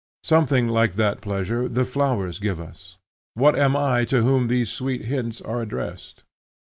Something like that pleasure, the flowers give us: what am I to whom these sweet hints are addressed?